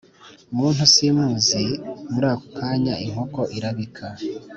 muntu simuzi Muri ako kanya inkoko irabika